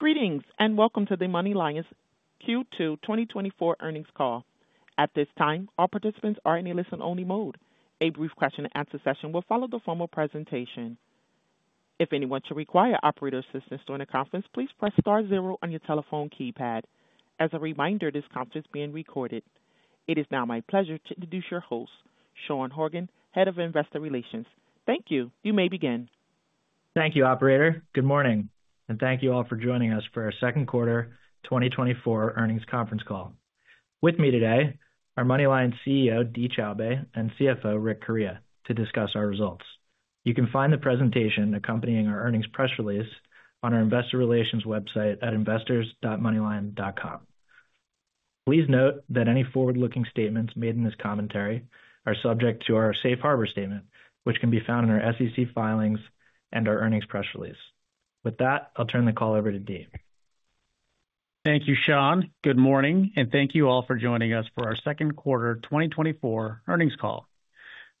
...Greetings, and welcome to the MoneyLion's Q2 2024 Earnings Call. At this time, all participants are in a listen-only mode. A brief question-and-answer session will follow the formal presentation. If anyone should require operator assistance during the conference, please press star zero on your telephone keypad. As a reminder, this conference is being recorded. It is now my pleasure to introduce your host, Sean Horgan, Head of Investor Relations. Thank you. You may begin. Thank you, operator. Good morning, and thank you all for joining us for our Second Quarter 2024 Earnings Conference Call. With me today are MoneyLion's CEO, Dee Choubey, and CFO, Rick Correia, to discuss our results. You can find the presentation accompanying our earnings press release on our investor relations website at investors.moneylion.com. Please note that any forward-looking statements made in this commentary are subject to our Safe Harbor statement, which can be found in our SEC filings and our earnings press release. With that, I'll turn the call over to Dee. Thank you, Sean. Good morning, and thank you all for joining us for our second quarter 2024 earnings call.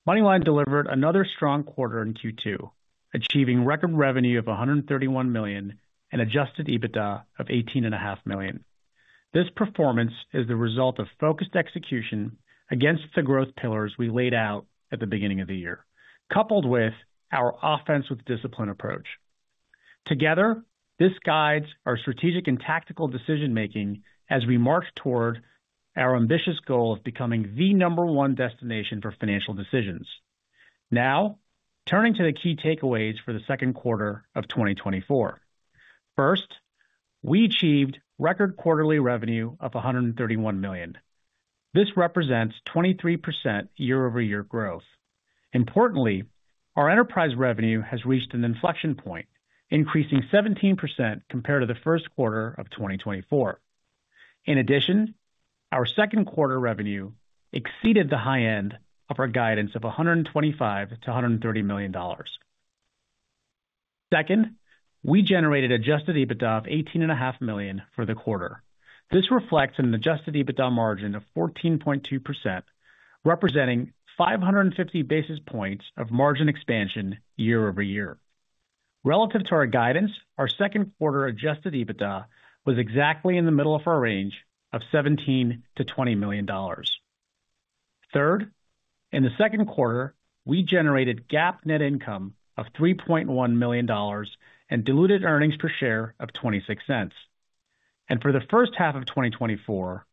MoneyLion delivered another strong quarter in Q2, achieving record revenue of $131 million and adjusted EBITDA of $18.5 million. This performance is the result of focused execution against the growth pillars we laid out at the beginning of the year, coupled with our offense with discipline approach. Together, this guides our strategic and tactical decision-making as we march toward our ambitious goal of becoming the number one destination for financial decisions. Now, turning to the key takeaways for the second quarter of 2024. First, we achieved record quarterly revenue of $131 million. This represents 23% year-over-year growth. Importantly, our enterprise revenue has reached an inflection point, increasing 17% compared to the first quarter of 2024. In addition, our second quarter revenue exceeded the high end of our guidance of $125 million-$130 million. Second, we generated Adjusted EBITDA of $18.5 million for the quarter. This reflects an Adjusted EBITDA margin of 14.2%, representing 550 basis points of margin expansion year-over-year. Relative to our guidance, our second quarter Adjusted EBITDA was exactly in the middle of our range of $17 million-$20 million. Third, in the second quarter, we generated GAAP net income of $3.1 million and diluted earnings per share of $0.26. For the first half of 2024,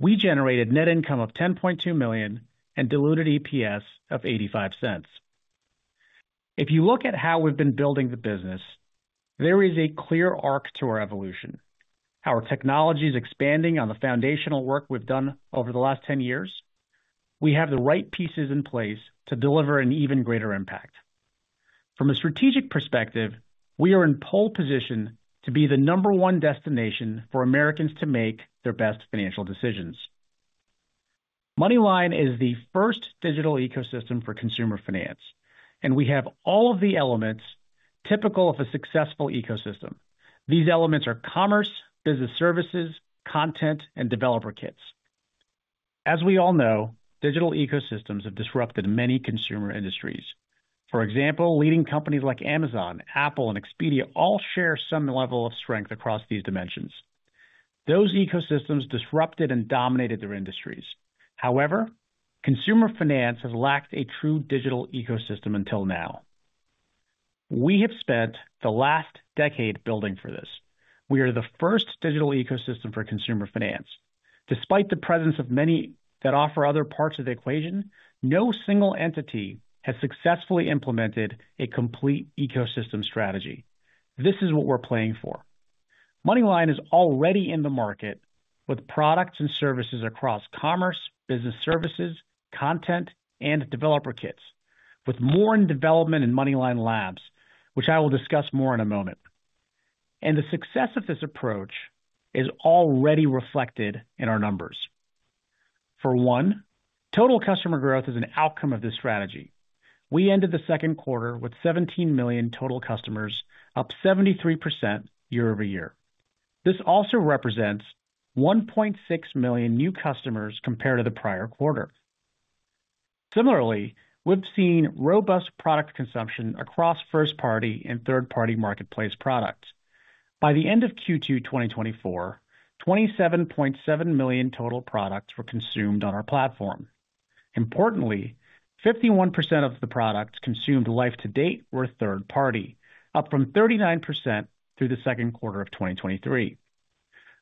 we generated net income of $10.2 million and diluted EPS of $0.85. If you look at how we've been building the business, there is a clear arc to our evolution. Our technology is expanding on the foundational work we've done over the last 10 years. We have the right pieces in place to deliver an even greater impact. From a strategic perspective, we are in pole position to be the number one destination for Americans to make their best financial decisions. MoneyLion is the first digital ecosystem for consumer finance, and we have all of the elements typical of a successful ecosystem. These elements are commerce, business services, content, and developer kits. As we all know, digital ecosystems have disrupted many consumer industries. For example, leading companies like Amazon, Apple, and Expedia all share some level of strength across these dimensions. Those ecosystems disrupted and dominated their industries. However, consumer finance has lacked a true digital ecosystem until now. We have spent the last decade building for this. We are the first digital ecosystem for consumer finance. Despite the presence of many that offer other parts of the equation, no single entity has successfully implemented a complete ecosystem strategy. This is what we're playing for. MoneyLion is already in the market with products and services across commerce, business services, content, and developer kits, with more in development in MoneyLion Labs, which I will discuss more in a moment. The success of this approach is already reflected in our numbers. For one, total customer growth is an outcome of this strategy. We ended the second quarter with 17 million total customers, up 73% year-over-year. This also represents 1.6 million new customers compared to the prior quarter. Similarly, we've seen robust product consumption across first-party and third-party marketplace products. By the end of Q2 2024, 27.7 million total products were consumed on our platform. Importantly, 51% of the products consumed life to date were third party, up from 39% through the second quarter of 2023.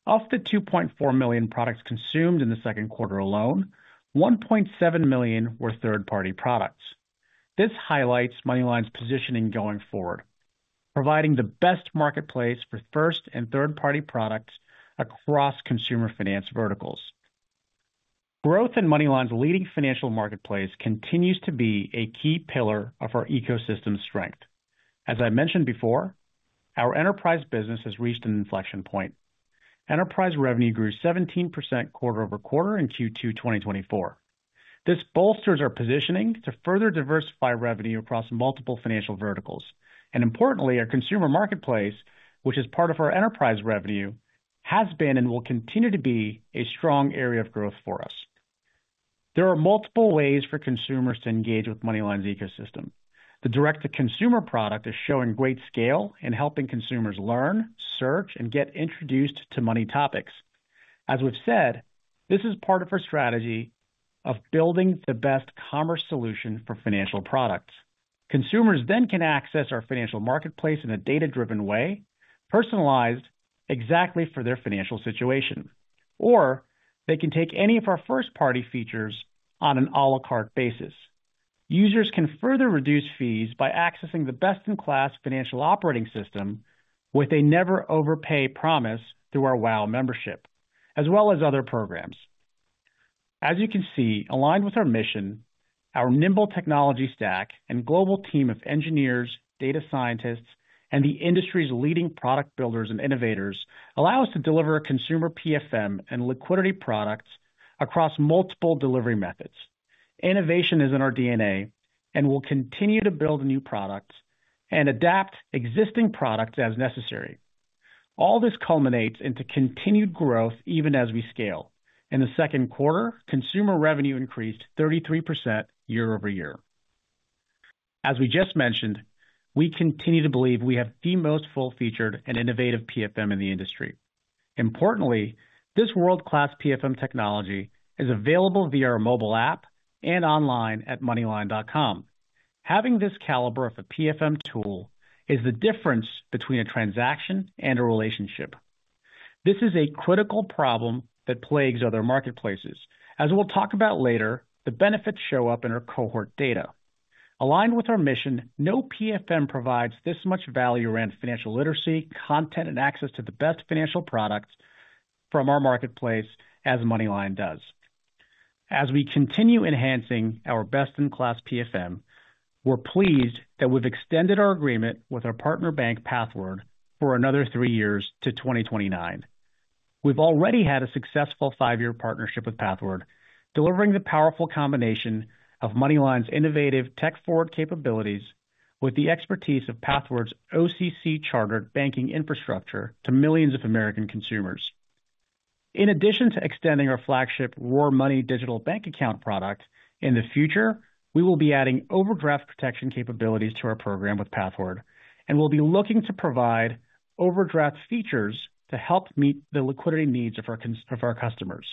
Of the 2.4 million products consumed in the second quarter alone, 1.7 million were third-party products. This highlights MoneyLion's positioning going forward, providing the best marketplace for first and third-party products across consumer finance verticals. Growth in MoneyLion's leading financial marketplace continues to be a key pillar of our ecosystem strength. As I mentioned before, our enterprise business has reached an inflection point. Enterprise revenue grew 17% quarter-over-quarter in Q2 2024. This bolsters our positioning to further diversify revenue across multiple financial verticals. Importantly, our consumer marketplace, which is part of our enterprise revenue, has been and will continue to be a strong area of growth for us. There are multiple ways for consumers to engage with MoneyLion's ecosystem. The direct-to-consumer product is showing great scale and helping consumers learn, search, and get introduced to money topics. As we've said, this is part of our strategy of building the best commerce solution for financial products. Consumers then can access our financial marketplace in a data-driven way, personalized exactly for their financial situation, or they can take any of our first-party features on an à la carte basis. Users can further reduce fees by accessing the best-in-class financial operating system with a never overpay promise through our WOW membership, as well as other programs. As you can see, aligned with our mission, our nimble technology stack and global team of engineers, data scientists, and the industry's leading product builders and innovators allow us to deliver a consumer PFM and liquidity products across multiple delivery methods. Innovation is in our DNA, and we'll continue to build new products and adapt existing products as necessary. All this culminates into continued growth, even as we scale. In the second quarter, consumer revenue increased 33% year-over-year. As we just mentioned, we continue to believe we have the most full-featured and innovative PFM in the industry. Importantly, this world-class PFM technology is available via our mobile app and online at MoneyLion.com. Having this caliber of a PFM tool is the difference between a transaction and a relationship. This is a critical problem that plagues other marketplaces. As we'll talk about later, the benefits show up in our cohort data. Aligned with our mission, no PFM provides this much value around financial literacy, content, and access to the best financial products from our marketplace as MoneyLion does. As we continue enhancing our best-in-class PFM, we're pleased that we've extended our agreement with our partner bank, Pathward, for another three years to 2029. We've already had a successful five-year partnership with Pathward, delivering the powerful combination of MoneyLion's innovative tech-forward capabilities with the expertise of Pathward's OCC chartered banking infrastructure to millions of American consumers. In addition to extending our flagship Roar Money digital bank account product, in the future, we will be adding overdraft protection capabilities to our program with Pathward, and we'll be looking to provide overdraft features to help meet the liquidity needs of our customers.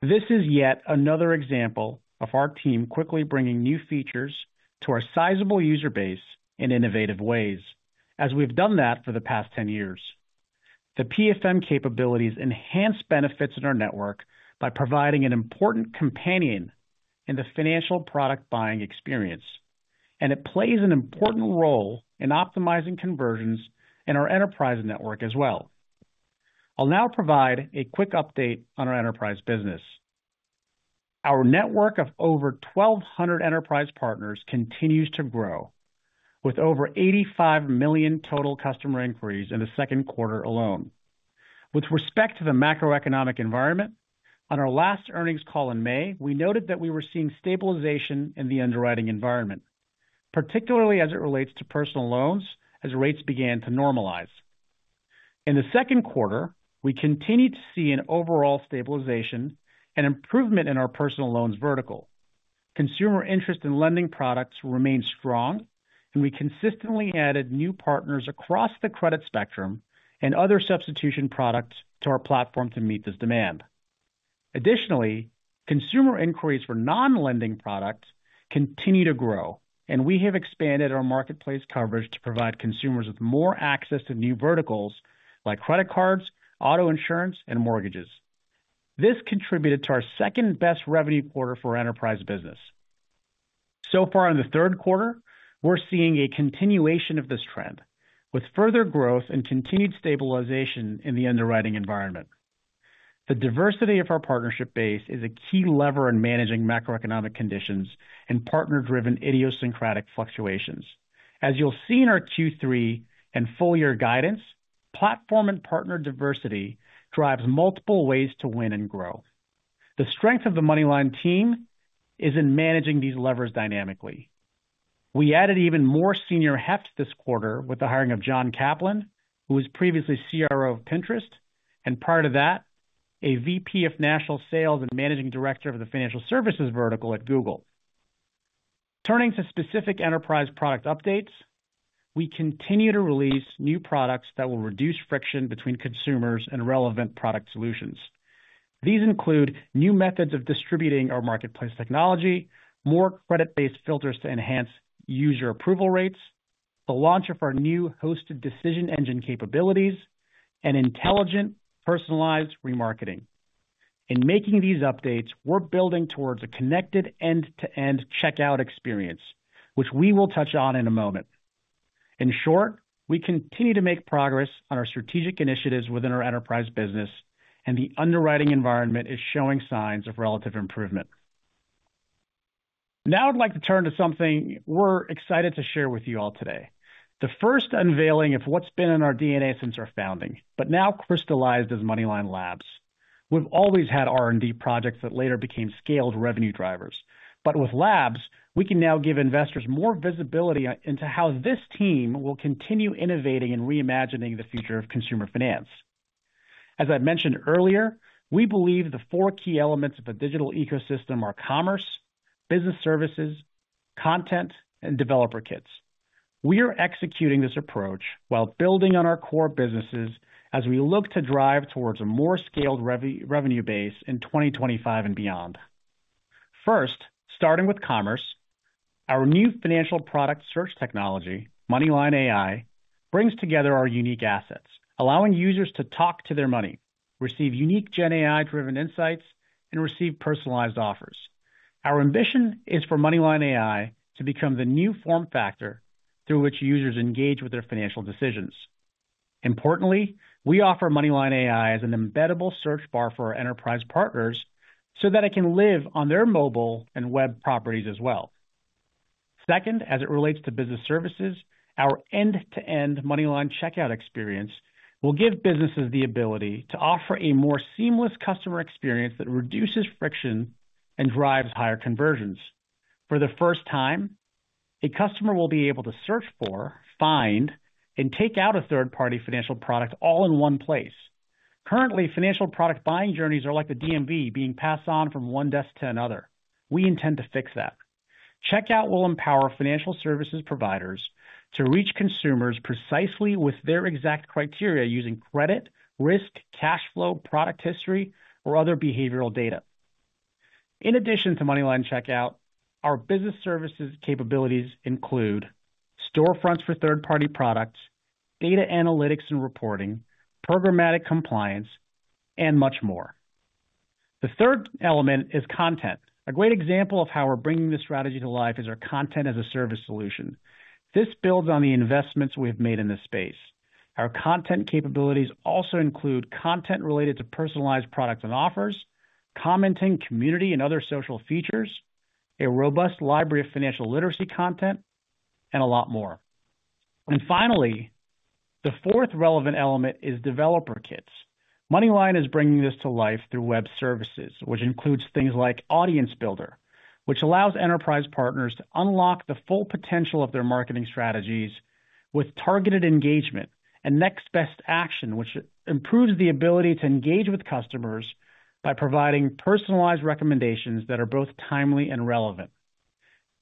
This is yet another example of our team quickly bringing new features to our sizable user base in innovative ways, as we've done that for the past 10 years. The PFM capabilities enhance benefits in our network by providing an important companion in the financial product buying experience, and it plays an important role in optimizing conversions in our enterprise network as well. I'll now provide a quick update on our enterprise business. Our network of over 1,200 enterprise partners continues to grow, with over 85 million total customer inquiries in the second quarter alone. With respect to the macroeconomic environment, on our last earnings call in May, we noted that we were seeing stabilization in the underwriting environment, particularly as it relates to personal loans, as rates began to normalize. In the second quarter, we continued to see an overall stabilization and improvement in our personal loans vertical. Consumer interest in lending products remained strong, and we consistently added new partners across the credit spectrum and other substitution products to our platform to meet this demand. Additionally, consumer inquiries for non-lending products continue to grow, and we have expanded our marketplace coverage to provide consumers with more access to new verticals like credit cards, auto insurance, and mortgages. This contributed to our second-best revenue quarter for our enterprise business. So far in the third quarter, we're seeing a continuation of this trend, with further growth and continued stabilization in the underwriting environment. The diversity of our partnership base is a key lever in managing macroeconomic conditions and partner-driven idiosyncratic fluctuations. As you'll see in our Q3 and full-year guidance, platform and partner diversity drives multiple ways to win and grow. The strength of the MoneyLion team is in managing these levers dynamically. We added even more senior heft this quarter with the hiring of Jon Kaplan, who was previously CRO of Pinterest, and prior to that, a VP of national sales and managing director of the financial services vertical at Google. Turning to specific enterprise product updates, we continue to release new products that will reduce friction between consumers and relevant product solutions. These include new methods of distributing our marketplace technology, more credit-based filters to enhance user approval rates, the launch of our new hosted decision engine capabilities, and intelligent, personalized remarketing. In making these updates, we're building towards a connected end-to-end checkout experience, which we will touch on in a moment. In short, we continue to make progress on our strategic initiatives within our enterprise business, and the underwriting environment is showing signs of relative improvement. Now I'd like to turn to something we're excited to share with you all today, the first unveiling of what's been in our DNA since our founding, but now crystallized as MoneyLion Labs. We've always had R&D projects that later became scaled revenue drivers, but with Labs, we can now give investors more visibility into how this team will continue innovating and reimagining the future of consumer finance. As I mentioned earlier, we believe the four key elements of a digital ecosystem are commerce, business services, content, and developer kits. We are executing this approach while building on our core businesses as we look to drive towards a more scaled revenue base in 2025 and beyond. First, starting with commerce, our new financial product search technology, MoneyLion AI, brings together our unique assets, allowing users to talk to their money, receive unique Gen AI-driven insights, and receive personalized offers. Our ambition is for MoneyLion AI to become the new form factor through which users engage with their financial decisions. Importantly, we offer MoneyLion AI as an embeddable search bar for our enterprise partners so that it can live on their mobile and web properties as well. Second, as it relates to business services, our end-to-end MoneyLion Checkout experience will give businesses the ability to offer a more seamless customer experience that reduces friction and drives higher conversions. For the first time, a customer will be able to search for, find, and take out a third-party financial product all in one place. Currently, financial product buying journeys are like the DMV, being passed on from one desk to another. We intend to fix that. Checkout will empower financial services providers to reach consumers precisely with their exact criteria, using credit, risk, cash flow, product history, or other behavioral data. In addition to MoneyLion Checkout, our business services capabilities include storefronts for third-party products, data analytics and reporting, programmatic compliance, and much more. The third element is content. A great example of how we're bringing this strategy to life is our content as a service solution. This builds on the investments we have made in this space. Our content capabilities also include content related to personalized products and offers, commenting, community, and other social features, a robust library of financial literacy content, and a lot more. Finally, the fourth relevant element is developer kits. MoneyLion is bringing this to life through web services, which includes things like Audience Builder, which allows enterprise partners to unlock the full potential of their marketing strategies with targeted engagement and next best action, which improves the ability to engage with customers by providing personalized recommendations that are both timely and relevant.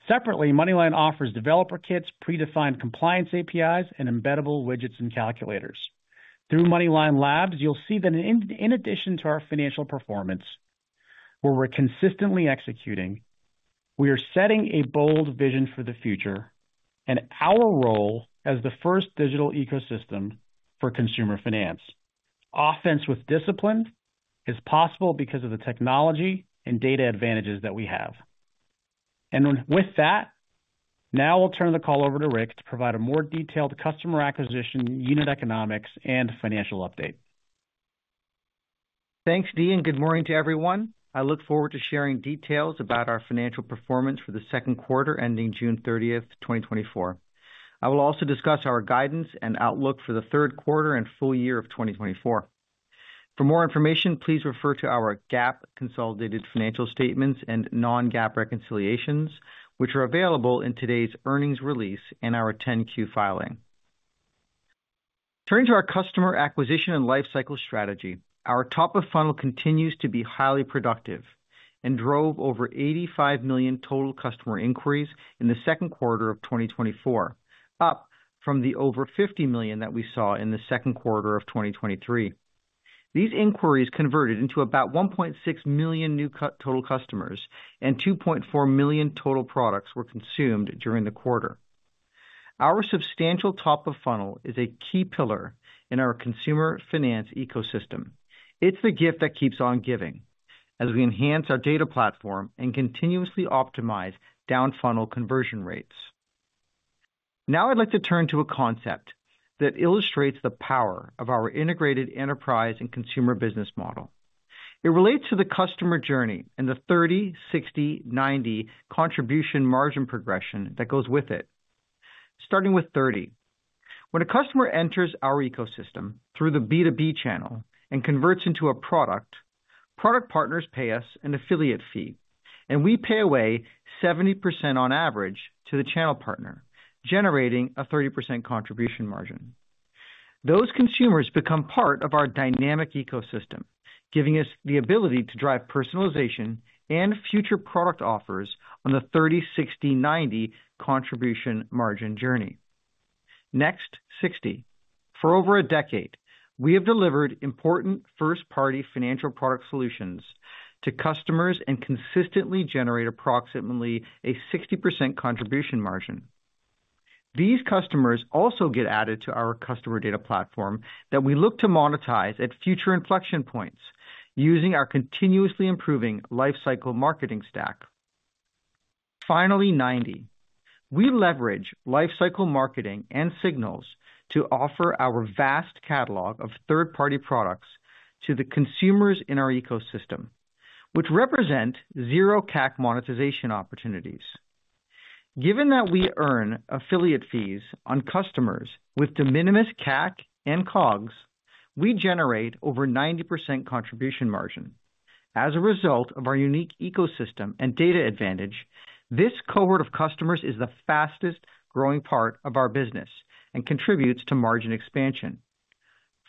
Separately, MoneyLion offers developer kits, predefined compliance APIs, and embeddable widgets and calculators. Through MoneyLion Labs, you'll see that in addition to our financial performance, where we're consistently executing, we are setting a bold vision for the future and our role as the first digital ecosystem for consumer finance. Offense with discipline is possible because of the technology and data advantages that we have. And then with that, now I'll turn the call over to Rick to provide a more detailed customer acquisition, unit economics, and financial update. Thanks, Dee, and good morning to everyone. I look forward to sharing details about our financial performance for the second quarter, ending June 30, 2024. I will also discuss our guidance and outlook for the third quarter and full year of 2024. For more information, please refer to our GAAP consolidated financial statements and non-GAAP reconciliations, which are available in today's earnings release and our 10-Q filing. Turning to our customer acquisition and lifecycle strategy, our top of funnel continues to be highly productive and drove over 85 million total customer inquiries in the second quarter of 2024, up from the over 50 million that we saw in the second quarter of 2023. These inquiries converted into about 1.6 million new total customers, and 2.4 million total products were consumed during the quarter. Our substantial top of funnel is a key pillar in our consumer finance ecosystem. It's the gift that keeps on giving, as we enhance our data platform and continuously optimize down funnel conversion rates. Now I'd like to turn to a concept that illustrates the power of our integrated enterprise and consumer business model. It relates to the customer journey and the 30, 60, 90 contribution margin progression that goes with it. Starting with 30. When a customer enters our ecosystem through the B2B channel and converts into a product, product partners pay us an affiliate fee, and we pay away 70% on average to the channel partner, generating a 30% contribution margin. Those consumers become part of our dynamic ecosystem, giving us the ability to drive personalization and future product offers on the 30, 60, 90 contribution margin journey. Next, 60. For over a decade, we have delivered important first-party financial product solutions to customers and consistently generate approximately a 60% contribution margin. These customers also get added to our customer data platform that we look to monetize at future inflection points using our continuously improving lifecycle marketing stack. Finally, 90. We leverage lifecycle marketing and signals to offer our vast catalog of third-party products to the consumers in our ecosystem, which represent zero CAC monetization opportunities. Given that we earn affiliate fees on customers with de minimis CAC and COGS, we generate over 90% contribution margin. As a result of our unique ecosystem and data advantage, this cohort of customers is the fastest-growing part of our business and contributes to margin expansion.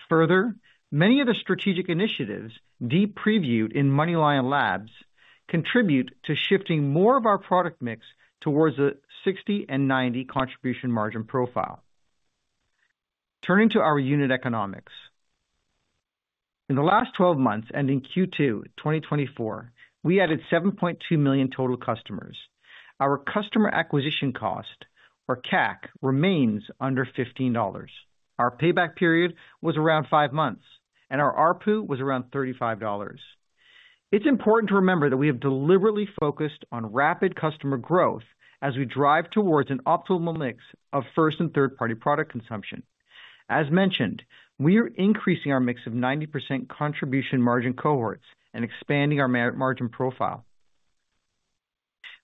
Further, many of the strategic initiatives, Dee previewed in MoneyLion Labs, contribute to shifting more of our product mix towards a 60 and 90 contribution margin profile. Turning to our unit economics. In the last twelve months, ending Q2 2024, we added 7.2 million total customers. Our customer acquisition cost, or CAC, remains under $15. Our payback period was around 5 months, and our ARPU was around $35. It's important to remember that we have deliberately focused on rapid customer growth as we drive towards an optimal mix of first- and third-party product consumption. As mentioned, we are increasing our mix of 90% contribution margin cohorts and expanding our margin profile.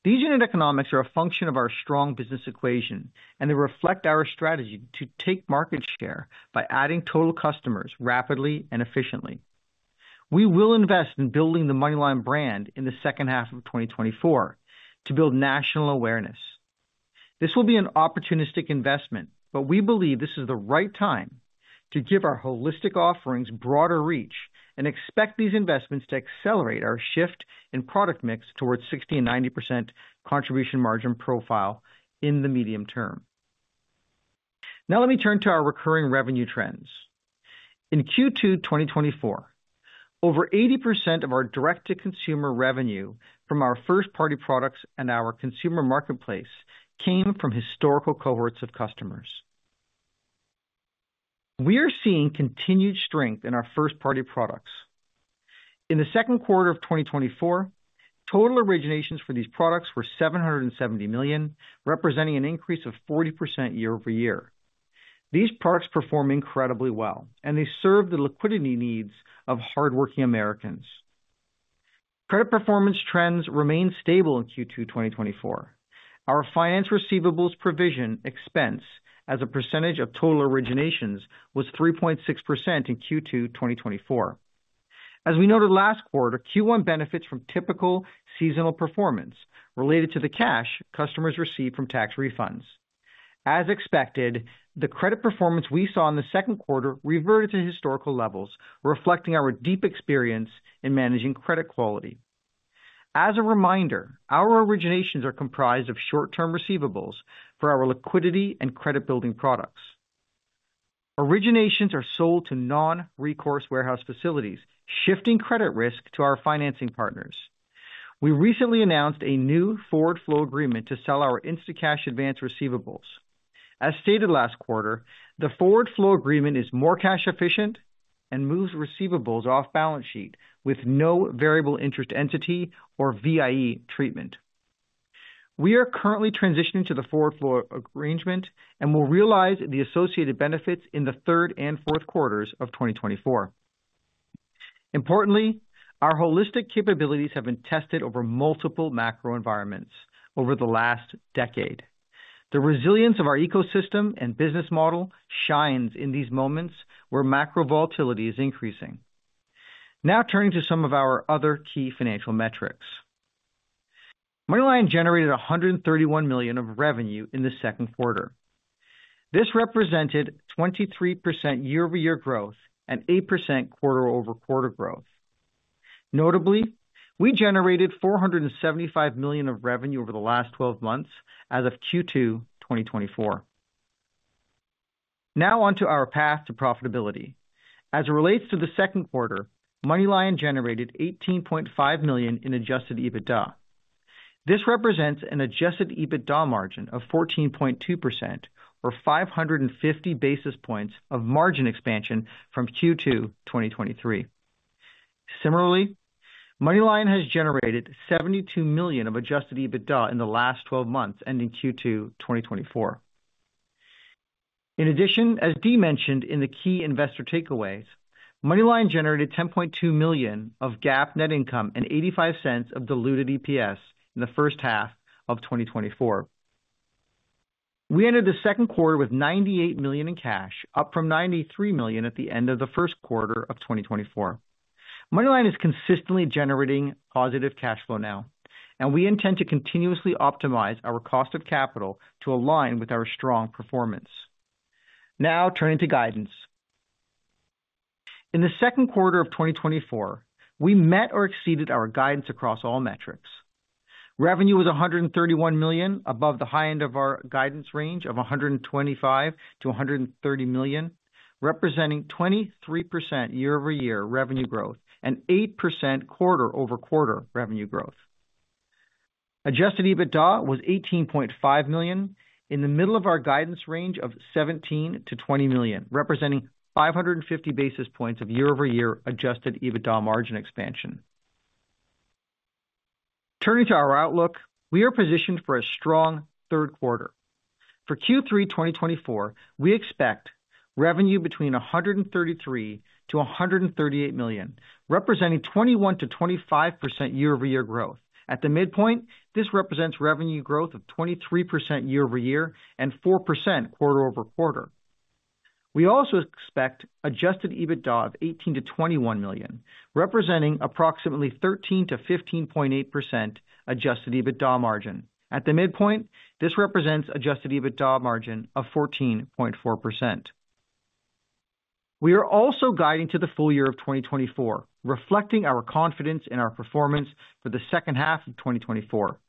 These unit economics are a function of our strong business equation, and they reflect our strategy to take market share by adding total customers rapidly and efficiently. We will invest in building the MoneyLion brand in the second half of 2024 to build national awareness. This will be an opportunistic investment, but we believe this is the right time to give our holistic offerings broader reach and expect these investments to accelerate our shift in product mix towards 60%-90% contribution margin profile in the medium term. Now let me turn to our recurring revenue trends. In Q2 2024, over 80% of our direct-to-consumer revenue from our first-party products and our consumer marketplace came from historical cohorts of customers. We are seeing continued strength in our first-party products. In the second quarter of 2024, total originations for these products were $770 million, representing an increase of 40% year-over-year. These products perform incredibly well, and they serve the liquidity needs of hardworking Americans. Credit performance trends remained stable in Q2 2024. Our finance receivables provision expense as a percentage of total originations was 3.6% in Q2 2024. As we noted last quarter, Q1 benefits from typical seasonal performance related to the cash customers receive from tax refunds. As expected, the credit performance we saw in the second quarter reverted to historical levels, reflecting our deep experience in managing credit quality. As a reminder, our originations are comprised of short-term receivables for our liquidity and credit-building products. Originations are sold to non-recourse warehouse facilities, shifting credit risk to our financing partners. We recently announced a new forward flow agreement to sell our Instacash receivables. As stated last quarter, the forward flow agreement is more cash efficient and moves receivables off balance sheet with no variable interest entity or VIE treatment. We are currently transitioning to the forward flow arrangement and will realize the associated benefits in the third and fourth quarters of 2024. Importantly, our holistic capabilities have been tested over multiple macro environments over the last decade. The resilience of our ecosystem and business model shines in these moments where macro volatility is increasing. Now, turning to some of our other key financial metrics. MoneyLion generated $131 million of revenue in the second quarter. This represented 23% year-over-year growth and 8% quarter-over-quarter growth. Notably, we generated $475 million of revenue over the last twelve months as of Q2 2024. Now on to our path to profitability. As it relates to the second quarter, MoneyLion generated $18.5 million in Adjusted EBITDA. This represents an Adjusted EBITDA margin of 14.2% or 550 basis points of margin expansion from Q2 2023. Similarly, MoneyLion has generated $72 million of Adjusted EBITDA in the last 12 months, ending Q2 2024. In addition, as Dee mentioned in the key investor takeaways, MoneyLion generated $10.2 million of GAAP net income and $0.85 of Diluted EPS in the first half of 2024. We ended the second quarter with $98 million in cash, up from $93 million at the end of the first quarter of 2024. MoneyLion is consistently generating positive cash flow now, and we intend to continuously optimize our cost of capital to align with our strong performance. Now turning to guidance. In the second quarter of 2024, we met or exceeded our guidance across all metrics. Revenue was $131 million, above the high end of our guidance range of $125 million-$130 million, representing 23% year-over-year revenue growth and 8% quarter-over-quarter revenue growth. Adjusted EBITDA was $18.5 million, in the middle of our guidance range of $17 million-$20 million, representing 550 basis points of year-over-year adjusted EBITDA margin expansion. Turning to our outlook, we are positioned for a strong third quarter. For Q3 2024, we expect revenue between $133 million-$138 million, representing 21%-25% year-over-year growth. At the midpoint, this represents revenue growth of 23% year-over-year and 4% quarter-over-quarter. We also expect adjusted EBITDA of $18 million-$21 million, representing approximately 13%-15.8% adjusted EBITDA margin. At the midpoint, this represents adjusted EBITDA margin of 14.4%. We are also guiding to the full year of 2024, reflecting our confidence in our performance for the second half of 2024.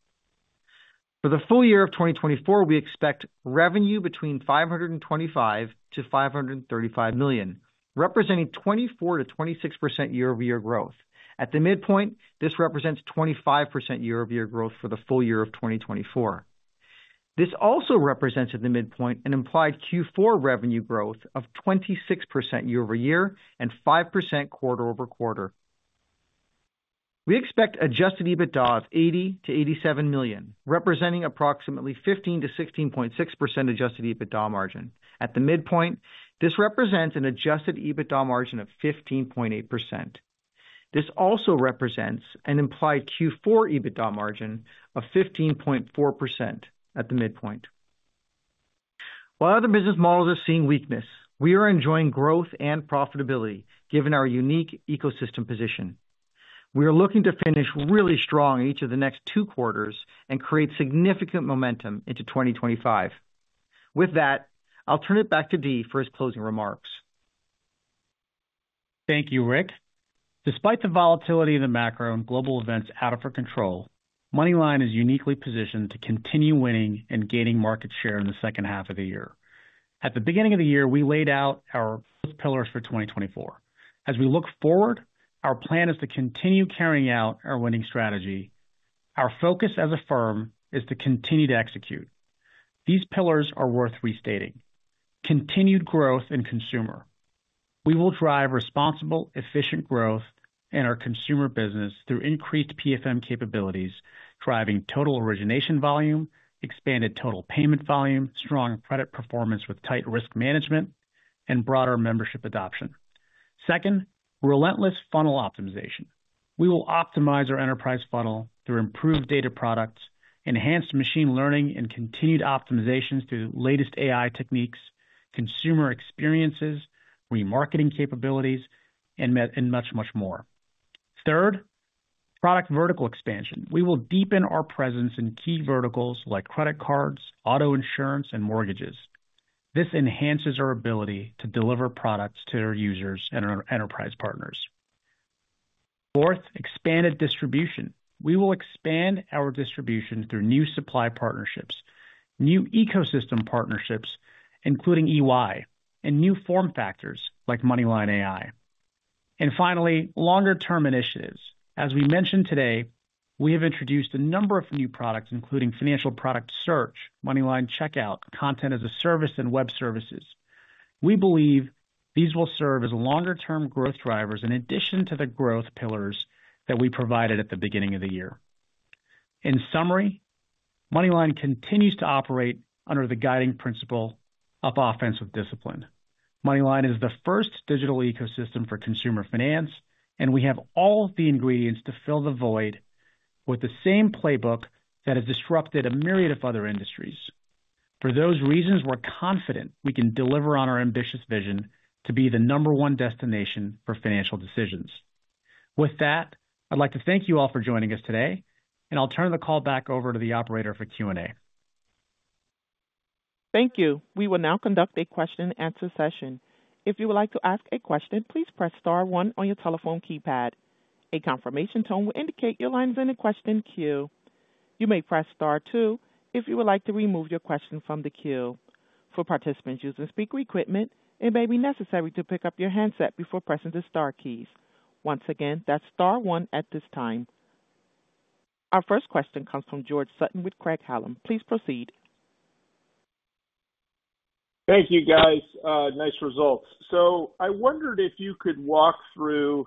For the full year of 2024, we expect revenue between $525 million-$535 million, representing 24%-26% year-over-year growth. At the midpoint, this represents 25% year-over-year growth for the full year of 2024. This also represents, at the midpoint, an implied Q4 revenue growth of 26% year-over-year and 5% quarter-over-quarter. We expect adjusted EBITDA of $80 million-$87 million, representing approximately 15%-16.6% adjusted EBITDA margin. At the midpoint, this represents an adjusted EBITDA margin of 15.8%. This also represents an implied Q4 EBITDA margin of 15.4% at the midpoint. While other business models are seeing weakness, we are enjoying growth and profitability, given our unique ecosystem position. We are looking to finish really strong in each of the next two quarters and create significant momentum into 2025. With that, I'll turn it back to Dee for his closing remarks. Thank you, Rick. Despite the volatility in the macro and global events out of our control, MoneyLion is uniquely positioned to continue winning and gaining market share in the second half of the year. At the beginning of the year, we laid out our pillars for 2024. As we look forward, our plan is to continue carrying out our winning strategy. Our focus as a firm is to continue to execute. These pillars are worth restating. Continued growth in consumer. We will drive responsible, efficient growth in our consumer business through increased PFM capabilities, driving total origination volume, expanded total payment volume, strong credit performance with tight risk management, and broader membership adoption. Second, relentless funnel optimization. We will optimize our enterprise funnel through improved data products, enhanced machine learning and continued optimizations through the latest AI techniques, consumer experiences, remarketing capabilities, and much, much more. Third, product vertical expansion. We will deepen our presence in key verticals like credit cards, auto insurance, and mortgages. This enhances our ability to deliver products to our users and our enterprise partners. Fourth, expanded distribution. We will expand our distribution through new supply partnerships, new ecosystem partnerships, including EY, and new form factors like MoneyLion AI. And finally, longer-term initiatives. As we mentioned today, we have introduced a number of new products, including financial product search, MoneyLion Checkout, content as a service, and web services. We believe these will serve as longer-term growth drivers in addition to the growth pillars that we provided at the beginning of the year. In summary, MoneyLion continues to operate under the guiding principle of offensive discipline. MoneyLion is the first digital ecosystem for consumer finance, and we have all the ingredients to fill the void with the same playbook that has disrupted a myriad of other industries. For those reasons, we're confident we can deliver on our ambitious vision to be the number one destination for financial decisions. With that, I'd like to thank you all for joining us today, and I'll turn the call back over to the operator for Q&A. Thank you. We will now conduct a question-and-answer session. If you would like to ask a question, please press star one on your telephone keypad. A confirmation tone will indicate your line is in the question queue. You may press star two if you would like to remove your question from the queue. For participants using speaker equipment, it may be necessary to pick up your handset before pressing the star keys. Once again, that's star one at this time. Our first question comes from George Sutton with Craig-Hallum. Please proceed. Thank you, guys. Nice results. So I wondered if you could walk through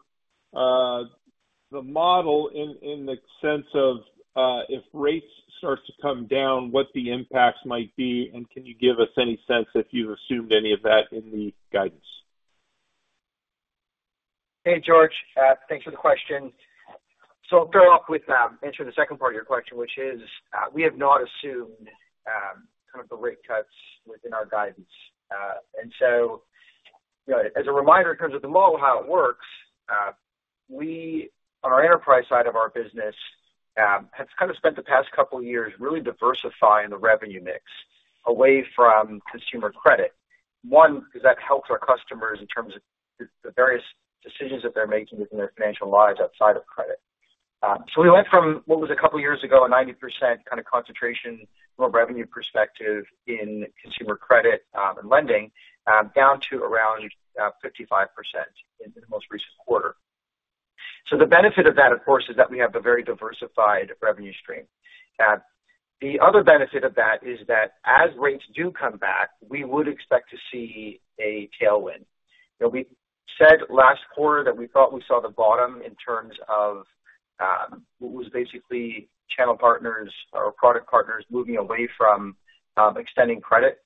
the model in the sense of if rates start to come down, what the impacts might be, and can you give us any sense if you've assumed any of that in the guidance? Hey, George, thanks for the question. So I'll start off with answering the second part of your question, which is, we have not assumed kind of the rate cuts within our guidance. And so, you know, as a reminder, in terms of the model, how it works, we, on our enterprise side of our business, have kind of spent the past couple of years really diversifying the revenue mix away from consumer credit. One, because that helps our customers in terms of the various decisions that they're making within their financial lives outside of credit. So we went from what was a couple of years ago, a 90% kind of concentration from a revenue perspective in consumer credit and lending down to around 55% in the most recent quarter. So the benefit of that, of course, is that we have a very diversified revenue stream. The other benefit of that is that as rates do come back, we would expect to see a tailwind. You know, we said last quarter that we thought we saw the bottom in terms of what was basically channel partners or product partners moving away from extending credit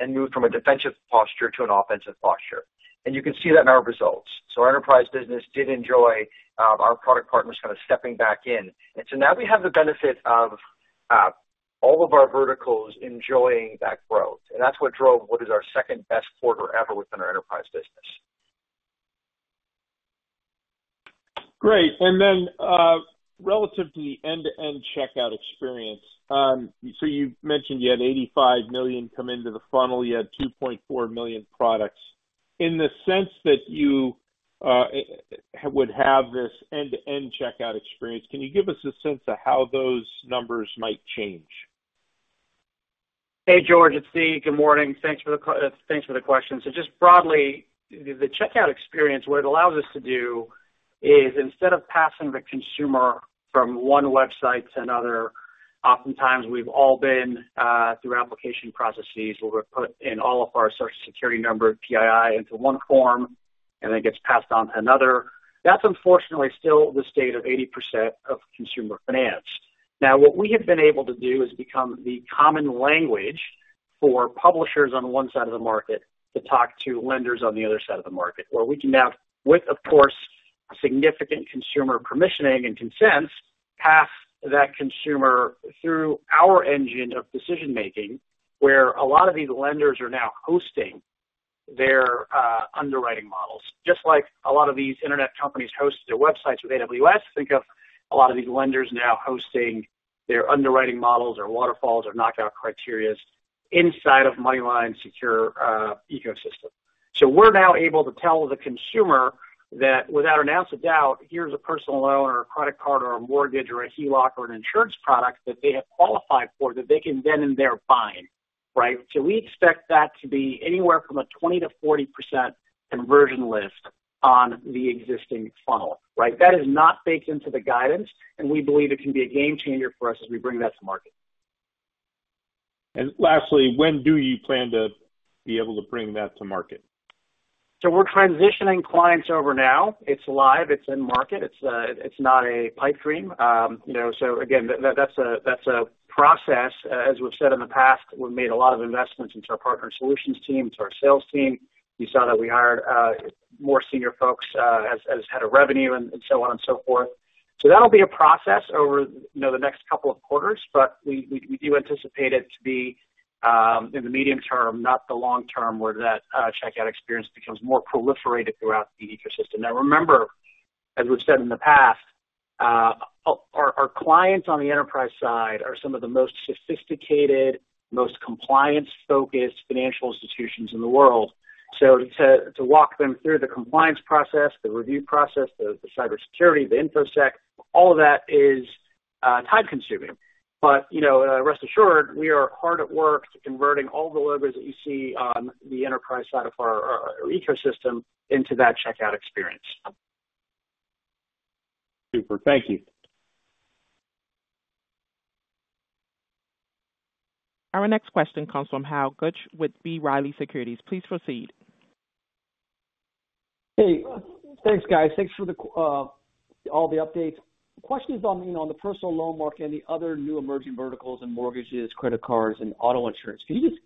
and moved from a defensive posture to an offensive posture. And you can see that in our results. So our enterprise business did enjoy our product partners kind of stepping back in. And so now we have the benefit of-... all of our verticals enjoying that growth, and that's what drove what is our second-best quarter ever within our enterprise business. Great. And then, relative to the end-to-end checkout experience, so you mentioned you had 85 million come into the funnel. You had 2.4 million products. In the sense that you would have this end-to-end checkout experience, can you give us a sense of how those numbers might change? Hey, George, it's Dee. Good morning. Thanks for the question. So just broadly, the checkout experience, what it allows us to do is instead of passing the consumer from one website to another, oftentimes we've all been through application processes where we're put in all of our Social Security number, PII into one form, and then it gets passed on to another. That's unfortunately still the state of 80% of consumer finance. Now, what we have been able to do is become the common language for publishers on one side of the market to talk to lenders on the other side of the market, where we can now, with, of course, significant consumer permissioning and consent, pass that consumer through our engine of decision-making, where a lot of these lenders are now hosting their underwriting models. Just like a lot of these internet companies host their websites with AWS, think of a lot of these lenders now hosting their underwriting models or waterfalls or knockout criterias inside of MoneyLion's secure ecosystem. So we're now able to tell the consumer that without an ounce of doubt, here's a personal loan or a credit card or a mortgage or a HELOC or an insurance product that they have qualified for, that they can then and there buy, right? So we expect that to be anywhere from a 20%-40% conversion lift on the existing funnel, right? That is not baked into the guidance, and we believe it can be a game changer for us as we bring that to market. Lastly, when do you plan to be able to bring that to market? So we're transitioning clients over now. It's live, it's in market. It's, it's not a pipe dream. You know, so again, that, that's a, that's a process. As we've said in the past, we've made a lot of investments into our partner solutions team, to our sales team. You saw that we hired more senior folks as head of revenue and so on and so forth. So that'll be a process over, you know, the next couple of quarters, but we, we, we do anticipate it to be in the medium term, not the long term, where that checkout experience becomes more proliferated throughout the ecosystem. Now, remember, as we've said in the past, our, our clients on the enterprise side are some of the most sophisticated, most compliance-focused financial institutions in the world. So to walk them through the compliance process, the review process, the cybersecurity, the InfoSec, all of that is time-consuming. But, you know, rest assured, we are hard at work to converting all the levers that you see on the enterprise side of our ecosystem into that checkout experience. Super. Thank you. Our next question comes from Hal Goetsch with B. Riley Securities. Please proceed. Hey, thanks, guys. Thanks for the all the updates. Questions on, you know, on the personal loan market and the other new emerging verticals and mortgages, credit cards and auto insurance. Can you just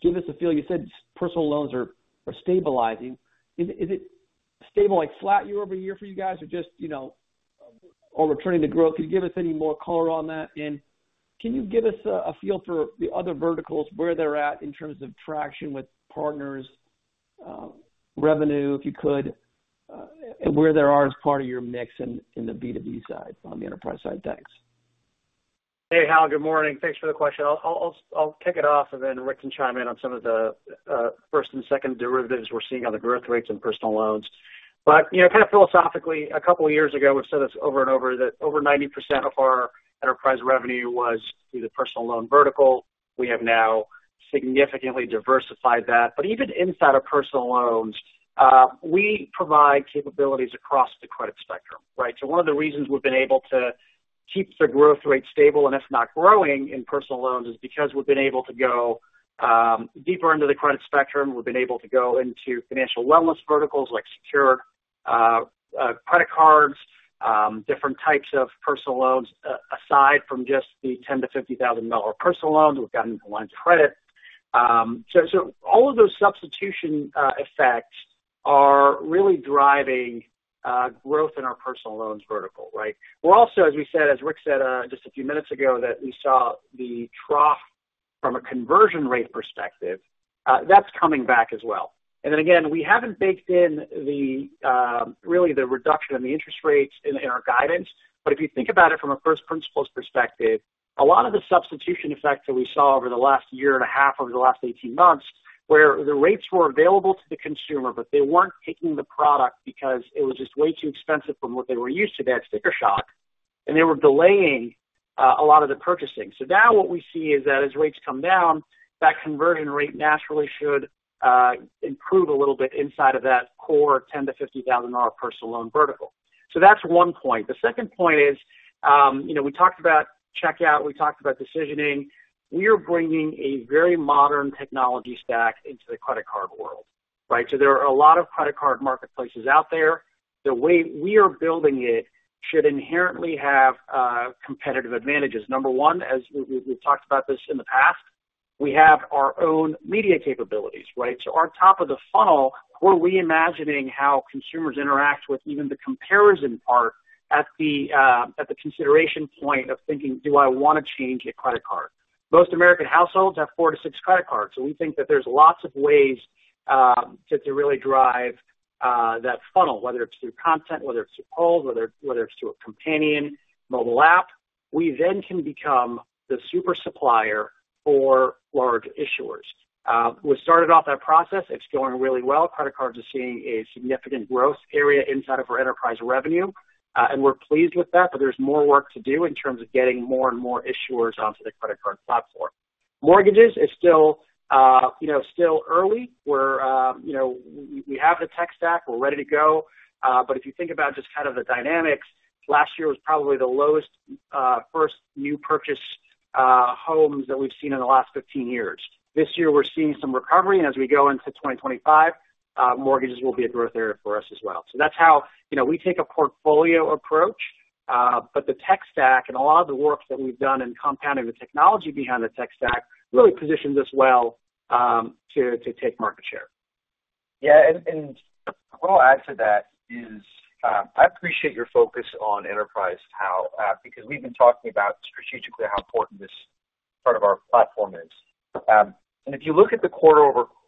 give us a feel? You said personal loans are stabilizing. Is it stable, like flat year-over-year for you guys, or just, you know, or returning to growth? Can you give us any more color on that? And can you give us a feel for the other verticals, where they're at in terms of traction with partners, revenue, if you could, and where there are as part of your mix in the B2B side, on the enterprise side? Thanks. Hey, Hal, good morning. Thanks for the question. I'll kick it off, and then Rick can chime in on some of the first and second derivatives we're seeing on the growth rates and personal loans. But, you know, kind of philosophically, a couple of years ago, we've said this over and over, that over 90% of our enterprise revenue was through the personal loan vertical. We have now significantly diversified that. But even inside of personal loans, we provide capabilities across the credit spectrum, right? So one of the reasons we've been able to keep the growth rate stable, and it's not growing in personal loans, is because we've been able to go deeper into the credit spectrum. We've been able to go into financial wellness verticals like secured credit cards, different types of personal loans, aside from just the $10,000-$50,000 personal loans. We've gotten into lines of credit. So, so all of those substitution, effects are really driving, growth in our personal loans vertical, right? We're also, as we said, as Rick said, just a few minutes ago, that we saw the trough from a conversion rate perspective. That's coming back as well. And then again, we haven't baked in the, really the reduction in the interest rates in, in our guidance. But if you think about it from a first principles perspective, a lot of the substitution effects that we saw over the last year and a half, over the last 18 months, where the rates were available to the consumer, but they weren't taking the product because it was just way too expensive from what they were used to. They had sticker shock, and they were delaying a lot of the purchasing. So now what we see is that as rates come down, that conversion rate naturally should improve a little bit inside of that core $10,000-$50,000 personal loan vertical. So that's one point. The second point is, you know, we talked about checkout, we talked about decisioning. We are bringing a very modern technology stack into the credit card world, right? So there are a lot of credit card marketplaces out there. The way we are building it should inherently have competitive advantages. Number 1, as we've talked about this in the past, we have our own media capabilities, right? So on top of the funnel, we're reimagining how consumers interact with even the comparison part at the consideration point of thinking, do I want to change a credit card? Most American households have 4-6 credit cards, so we think that there's lots of ways to really drive that funnel, whether it's through content, whether it's through polls, whether it's through a companion mobile app. We then can become the super supplier for large issuers. We started off that process. It's going really well. Credit cards are seeing a significant growth area inside of our enterprise revenue, and we're pleased with that, but there's more work to do in terms of getting more and more issuers onto the credit card platform. Mortgages is still, you know, still early. We're, you know, we have the tech stack. We're ready to go. But if you think about just kind of the dynamics, last year was probably the lowest, first new purchase, homes that we've seen in the last 15 years. This year, we're seeing some recovery, and as we go into 2025, mortgages will be a growth area for us as well. That's how, you know, we take a portfolio approach, but the tech stack and a lot of the work that we've done in compounding the technology behind the tech stack really positions us well, to take market share. Yeah, and what I'll add to that is, I appreciate your focus on enterprise, Hal, because we've been talking about strategically how important this part of our platform is. And if you look at the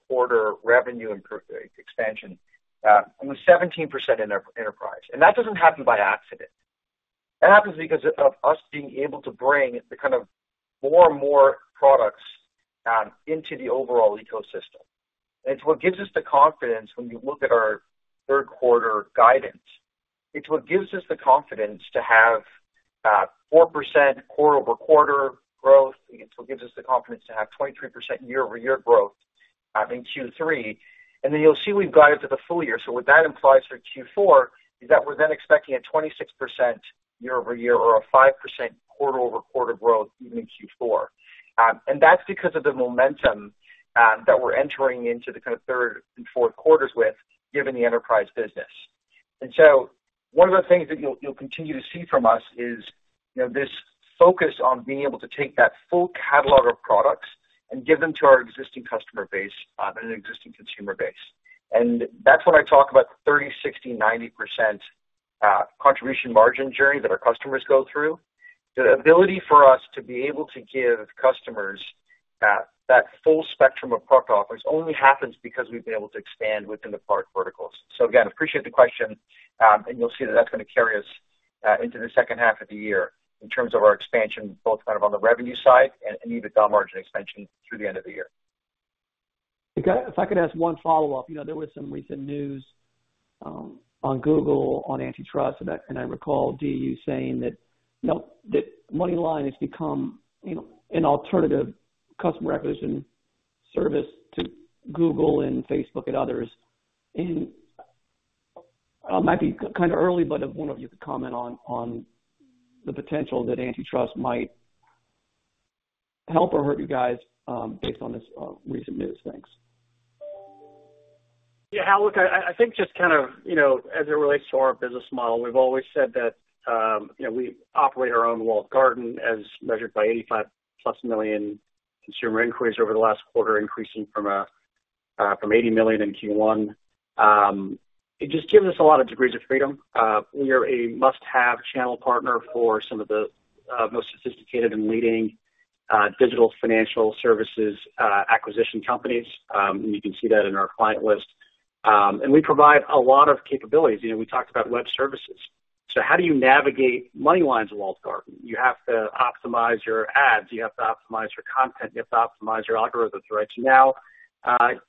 quarter-over-quarter revenue and growth expansion, almost 17% in enterprise. And that doesn't happen by accident. That happens because of us being able to bring the kind of more and more products into the overall ecosystem. It's what gives us the confidence when we look at our third quarter guidance. It's what gives us the confidence to have 4% quarter-over-quarter growth. It's what gives us the confidence to have 23% year-over-year growth in Q3. And then you'll see we've guided to the full year. So what that implies for Q4 is that we're then expecting a 26% year-over-year or a 5% quarter-over-quarter growth even in Q4. And that's because of the momentum that we're entering into the kind of third and fourth quarters with, given the enterprise business. And so one of the things that you'll, you'll continue to see from us is, you know, this focus on being able to take that full catalog of products and give them to our existing customer base and an existing consumer base. And that's when I talk about 30, 60, 90% contribution margin journey that our customers go through. The ability for us to be able to give customers that full spectrum of product offerings only happens because we've been able to expand within the product verticals. So again, appreciate the question. You'll see that that's gonna carry us into the second half of the year in terms of our expansion, both kind of on the revenue side and even the dollar margin expansion through the end of the year. If I could ask one follow-up. You know, there was some recent news on Google on antitrust, and I recall Dee saying that, you know, that MoneyLion has become, you know, an alternative customer acquisition service to Google and Facebook and others. And it might be kind of early, but I wonder if you could comment on the potential that antitrust might help or hurt you guys, based on this recent news. Thanks. Yeah, Hal, look, I think just kind of, you know, as it relates to our business model, we've always said that, you know, we operate our own walled garden as measured by 85+ million consumer inquiries over the last quarter, increasing from 80 million in Q1. It just gives us a lot of degrees of freedom. We are a must-have channel partner for some of the most sophisticated and leading digital financial services acquisition companies. And you can see that in our client list. And we provide a lot of capabilities. You know, we talked about web services. So how do you navigate MoneyLion's walled garden? You have to optimize your ads, you have to optimize your content, you have to optimize your algorithms, right? So now,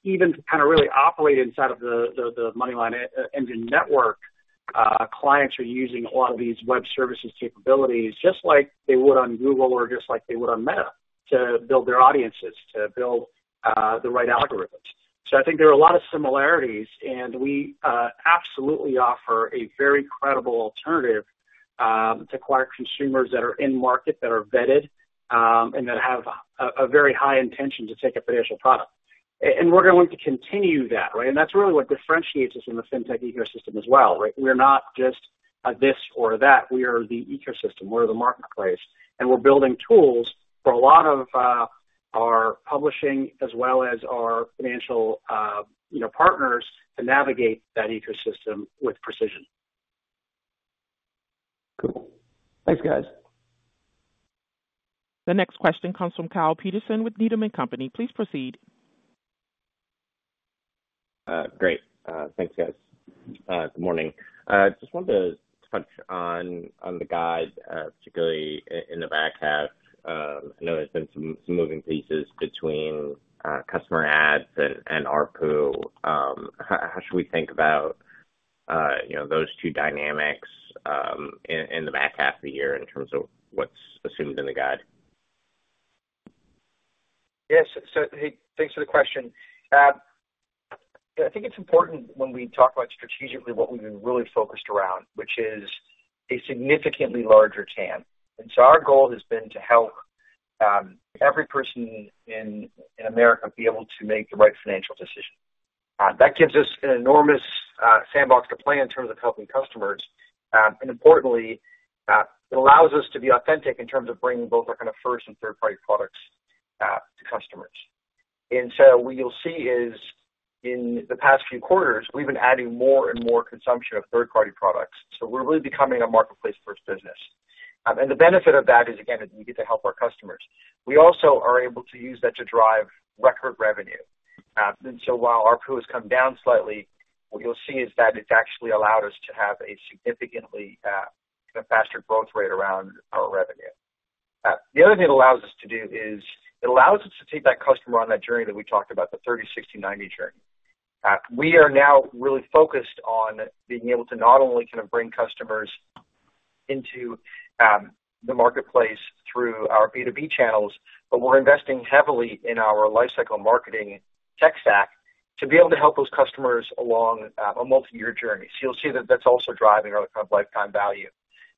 even to kind of really operate inside of the MoneyLion Engine network, clients are using a lot of these web services capabilities just like they would on Google or just like they would on Meta, to build their audiences, to build the right algorithms. So I think there are a lot of similarities, and we absolutely offer a very credible alternative to acquire consumers that are in market, that are vetted, and that have a very high intention to take a financial product. And we're going to continue that, right? And that's really what differentiates us in the fintech ecosystem as well, right? We're not just this or that. We are the ecosystem, we're the marketplace, and we're building tools for a lot of our publishing as well as our financial, you know, partners to navigate that ecosystem with precision. Cool. Thanks, guys. The next question comes from Kyle Peterson with Needham & Company. Please proceed. Great. Thanks, guys. Good morning. I just wanted to touch on the guide, particularly in the back half. I know there's been some moving pieces between customer ads and ARPU. How should we think about, you know, those two dynamics in the back half of the year in terms of what's assumed in the guide? Yes, so, hey, thanks for the question. I think it's important when we talk about strategically what we've been really focused around, which is a significantly larger TAM. And so our goal has been to help every person in America be able to make the right financial decision. That gives us an enormous sandbox to play in terms of helping customers. And importantly, it allows us to be authentic in terms of bringing both our kind of first and third-party products to customers. And so what you'll see is, in the past few quarters, we've been adding more and more consumption of third-party products, so we're really becoming a marketplace first business. And the benefit of that is, again, we get to help our customers. We also are able to use that to drive record revenue. And so while ARPU has come down slightly, what you'll see is that it's actually allowed us to have a significantly, kind of faster growth rate around our revenue. The other thing it allows us to do is, it allows us to take that customer on that journey that we talked about, the 30, 60, 90 journey. We are now really focused on being able to not only kind of bring customers into the marketplace through our B2B channels, but we're investing heavily in our lifecycle marketing tech stack to be able to help those customers along a multi-year journey. So you'll see that that's also driving our kind of lifetime value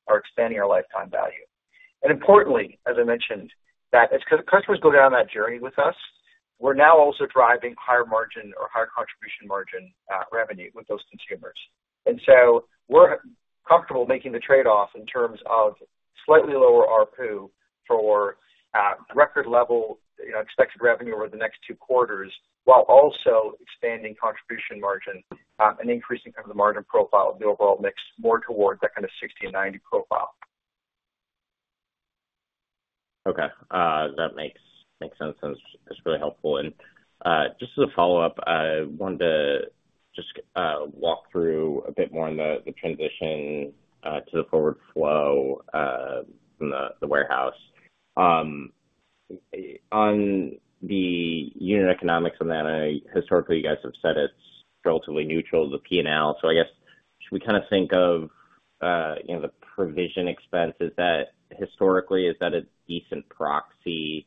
or expanding our lifetime value. And importantly, as I mentioned, that as customers go down that journey with us, we're now also driving higher margin or higher contribution margin, revenue with those consumers. And so we're comfortable making the trade-off in terms of slightly lower ARPU for record level, you know, expected revenue over the next two quarters, while also expanding contribution margin, and increasing kind of the margin profile of the overall mix more towards that kind of 60-90 profile. Okay, that makes sense, and it's really helpful. And just as a follow-up, I wanted to just walk through a bit more on the transition to the forward flow from the warehouse. On the unit economics on that, historically, you guys have said it's relatively neutral to the PNL. So I guess, should we kind of think of, you know, the provision expense? Is that historically, is that a decent proxy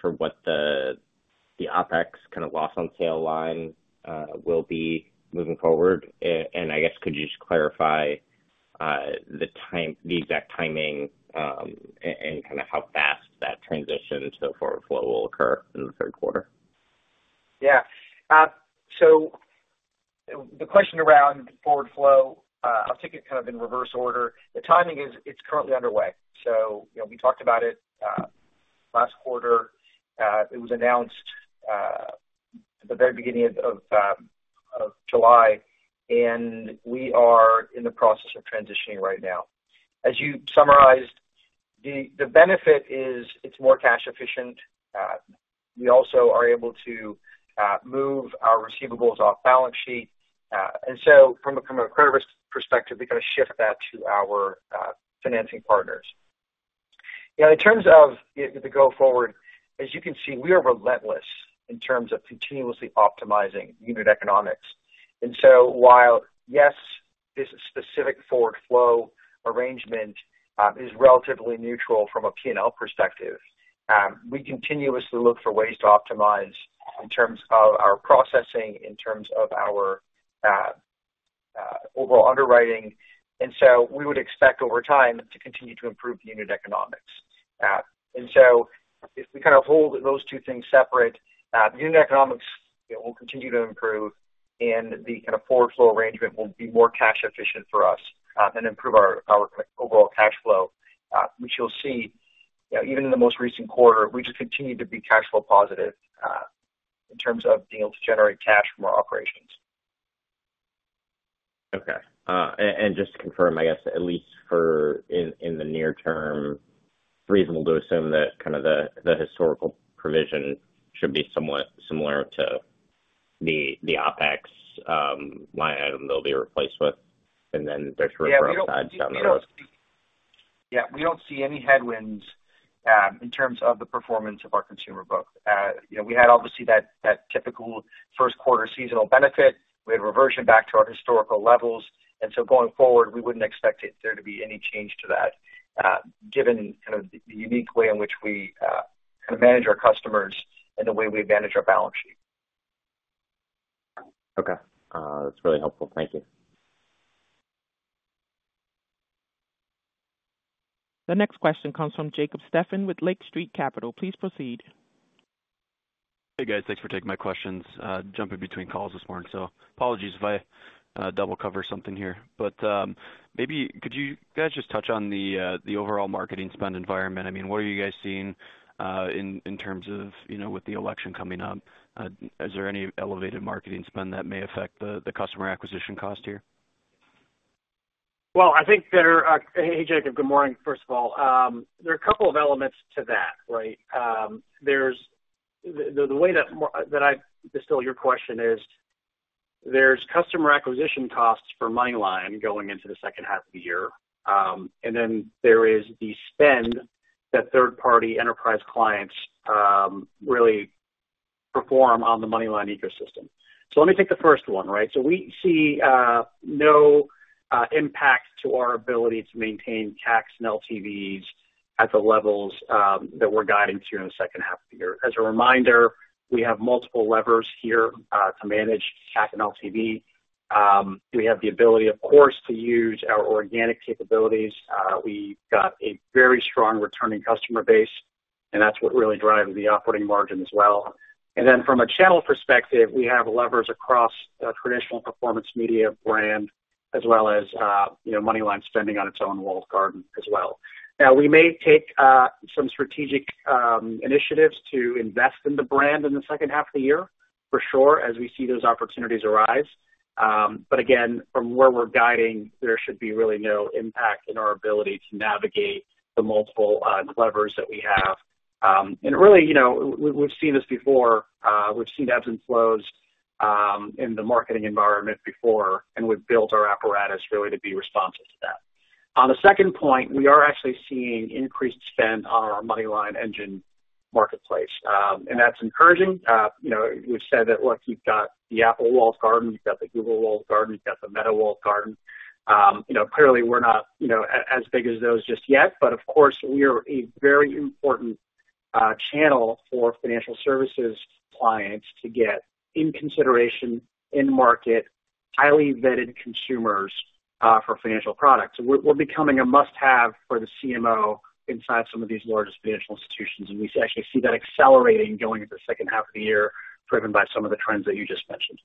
for what the OpEx kind of loss on sale line will be moving forward? And I guess could you just clarify the exact timing and kind of how fast that transition to forward flow will occur in the third quarter? Yeah. So the question around forward flow, I'll take it kind of in reverse order. The timing is it's currently underway. So, you know, we talked about it last quarter. It was announced at the very beginning of July, and we are in the process of transitioning right now. As you summarized, the benefit is it's more cash efficient. We also are able to move our receivables off balance sheet. And so from a credit risk perspective, we kind of shift that to our financing partners. You know, in terms of the go forward, as you can see, we are relentless in terms of continuously optimizing unit economics. And so while, yes, this specific forward flow arrangement is relatively neutral from a P&L perspective, we continuously look for ways to optimize in terms of our processing, in terms of our overall underwriting. And so we would expect over time to continue to improve the unit economics. And so if we kind of hold those two things separate, the unit economics, it will continue to improve, and the kind of forward flow arrangement will be more cash efficient for us, and improve our overall cash flow. Which you'll see, even in the most recent quarter, we just continued to be cash flow positive, in terms of being able to generate cash from our operations. Okay. Just to confirm, I guess, at least for in the near term, reasonable to assume that kind of the historical provision should be somewhat similar to the OpEx line item they'll be replaced with, and then there's growth sides down the road. Yeah, we don't see any headwinds in terms of the performance of our consumer book. You know, we had obviously that typical first quarter seasonal benefit. We had reversion back to our historical levels, and so going forward, we wouldn't expect there to be any change to that, given kind of the unique way in which we kind of manage our customers and the way we manage our balance sheet. Okay, that's really helpful. Thank you. The next question comes from Jacob Stephan with Lake Street Capital. Please proceed. Hey, guys. Thanks for taking my questions. Jumping between calls this morning, so apologies if I double cover something here. But maybe could you guys just touch on the overall marketing spend environment? I mean, what are you guys seeing in terms of, you know, with the election coming up? Is there any elevated marketing spend that may affect the customer acquisition cost here? Well, I think there are. Hey, Jacob, good morning, first of all. There are a couple of elements to that, right? There's the way that I distill your question is: There's customer acquisition costs for MoneyLion going into the second half of the year, and then there is the spend that third-party enterprise clients really perform on the MoneyLion ecosystem. So let me take the first one, right? So we see no impact to our ability to maintain CACs and LTVs at the levels that we're guiding to in the second half of the year. As a reminder, we have multiple levers here to manage CAC and LTV. We have the ability, of course, to use our organic capabilities. We've got a very strong returning customer base. That's what really drives the operating margin as well. Then from a channel perspective, we have levers across traditional performance media, brand as well as, you know, MoneyLion spending on its own walled garden as well. Now, we may take some strategic initiatives to invest in the brand in the second half of the year, for sure, as we see those opportunities arise. But again, from where we're guiding, there should be really no impact in our ability to navigate the multiple levers that we have. And really, you know, we've seen this before. We've seen ebbs and flows in the marketing environment before, and we've built our apparatus really to be responsive to that. On the second point, we are actually seeing increased spend on our MoneyLion engine marketplace, and that's encouraging. You know, we've said that, look, you've got the Apple walled garden, you've got the Google walled garden, you've got the Meta walled garden. You know, clearly, we're not, you know, as big as those just yet, but of course, we are a very important channel for financial services clients to get in consideration, in market, highly vetted consumers for financial products. We're becoming a must-have for the CMO inside some of these largest financial institutions, and we actually see that accelerating going into the second half of the year, driven by some of the trends that you just mentioned.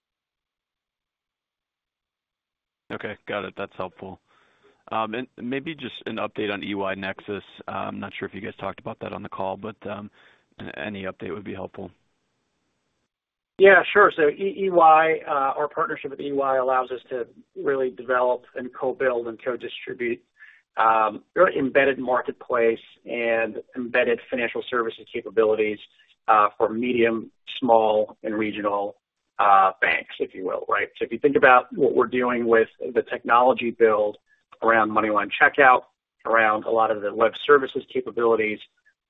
Okay, got it. That's helpful. Maybe just an update on EY Nexus. I'm not sure if you guys talked about that on the call, but any update would be helpful. Yeah, sure. So EY, our partnership with EY allows us to really develop and co-build and co-distribute, their embedded marketplace and embedded financial services capabilities, for medium, small, and regional, banks, if you will, right? So if you think about what we're doing with the technology build around MoneyLion Checkout, around a lot of the web services capabilities,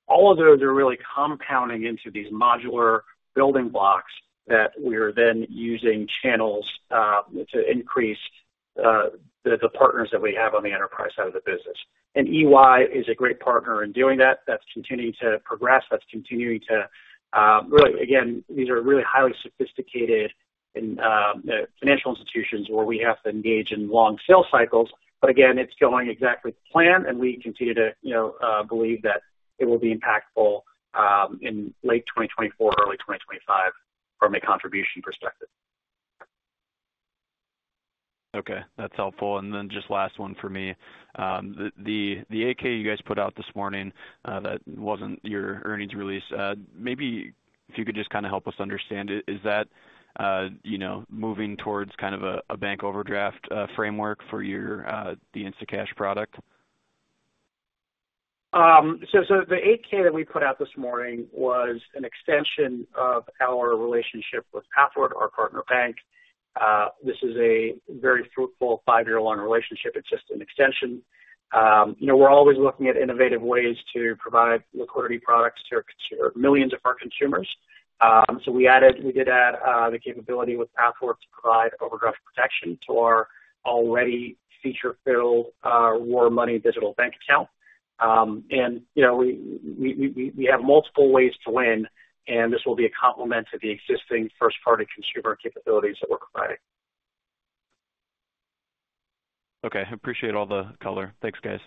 all of those are really compounding into these modular building blocks that we're then using channels, to increase, the, the partners that we have on the enterprise side of the business. And EY is a great partner in doing that. That's continuing to progress. That's continuing to... Really, again, these are really highly sophisticated and, financial institutions where we have to engage in long sales cycles. But again, it's going exactly as planned, and we continue to, you know, believe that it will be impactful, in late 2024, early 2025, from a contribution perspective. Okay, that's helpful. And then just last one for me. The, the 8-K you guys put out this morning, that wasn't your earnings release. Maybe if you could just kind of help us understand it. Is that, you know, moving towards kind of a bank overdraft framework for your, the Instacash product? So, the 8-K that we put out this morning was an extension of our relationship with Pathward, our partner bank. This is a very fruitful five-year-long relationship. It's just an extension. You know, we're always looking at innovative ways to provide liquidity products to our millions of consumers. So we added, we did add, the capability with Pathward to provide overdraft protection to our already feature-filled RoarMoney digital bank account. And, you know, we have multiple ways to win, and this will be a complement to the existing first-party consumer capabilities that we're providing. Okay, I appreciate all the color. Thanks, guys.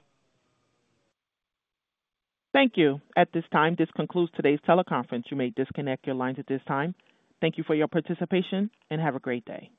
Thank you. At this time, this concludes today's teleconference. You may disconnect your lines at this time. Thank you for your participation, and have a great day.